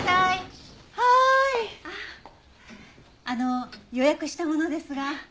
あの予約した者ですが。